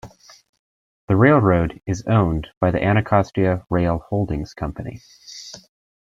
The railroad is owned by the Anacostia Rail Holdings Company.